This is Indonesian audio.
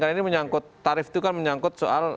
karena ini menyangkut tarif itu kan menyangkut soal perusahaan